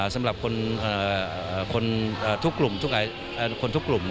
สำหรับคนทุกกลุ่ม